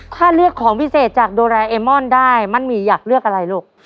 ถ้าเลือกของพิเศษจากโดราเอมอนได้มั่นหมี่อยากเลือกอะไรลูก